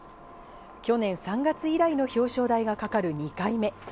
去年３月以来の表彰台がかかる２回目。